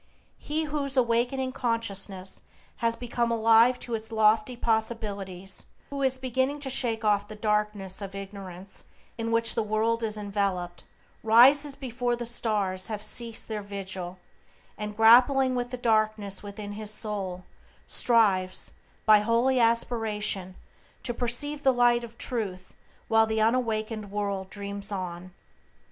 He whose awakening consciousness has become alive to its lofty possibilities, who is beginning to shake off the darkness of ignorance in which the world is enveloped, rises before the stars have ceased their vigil, and, grappling with the darkness within his soul, strives, by holy aspiration, to perceive the light of Truth while the unawakened world dreams on.